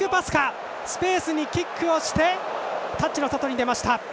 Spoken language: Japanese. スペースにキックをしてタッチの外に出ました。